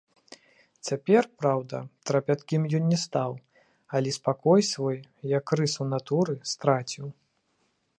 Цяпер, праўда, трапяткім ён не стаў, але спакой свой, як рысу натуры, страціў.